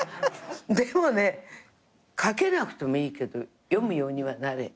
でもね「書けなくてもいいけど読むようにはなれ」って。